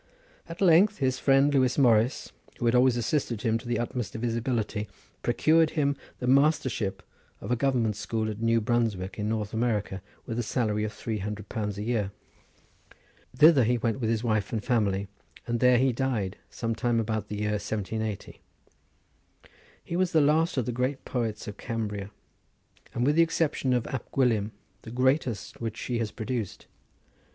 At length his friend Lewis Morris, who had always assisted him to the utmost of his ability, procured him the mastership of a government school at New Brunswick in North America with a salary of three hundred pounds a year. Thither he went with his wife and family, and there he died sometime about the year 1780. He was the last of the great poets of Cambria, and with the exception of Ab Gwilym, the greatest which she has produced.